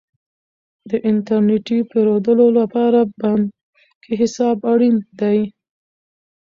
د انټرنیټي پیرودلو لپاره بانکي حساب اړین دی.